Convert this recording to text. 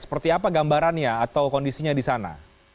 seperti apa gambarannya atau kondisinya di sana